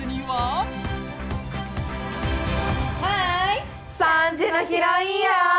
はい！